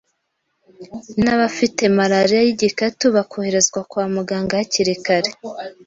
ndetse n’abafite malariya y’igikatu bakoherezwa kwa muganga hakiri kare.